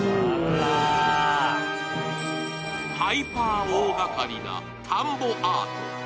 ハイパー大がかりな田んぼアート。